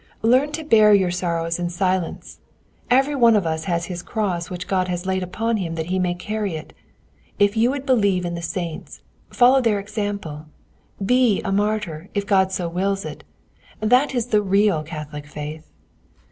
Learn to bear your sorrows in silence. Every one of us has his cross which God has laid upon him that he may carry it ... If you would believe in the saints, follow their example. Be a martyr, if God so wills it that is the real Catholic faith...."